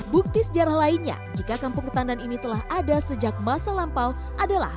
bukti sejarah lainnya jika kampung ketandan ini telah ada sejak masa lampau adalah